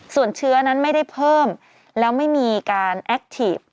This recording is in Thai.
ส่วนเชื้อนั้นไม่ได้เพิ่มแล้วไม่มีการแอคทีฟ